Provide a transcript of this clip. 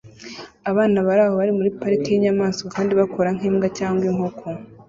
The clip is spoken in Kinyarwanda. Abana bari aho bari muri pariki yinyamanswa kandi bakora nkimbwa cyangwa inkoko